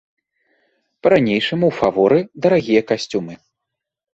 Па-ранейшаму ў фаворы дарагія касцюмы.